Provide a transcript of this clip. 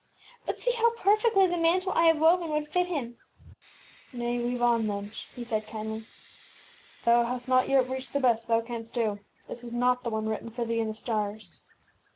But see how perfectly the mantle I have woven would fit him ! ŌĆÖ ŌĆśNay, weave on, then, ŌĆÖ he said, kindly. ŌĆśThou hast not yet reached the best thou canst do. This is not the one written for thee in the stars.